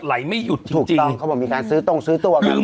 ไม่หยุดถูกต้องเขาบอกมีการซื้อตรงซื้อตัวกัน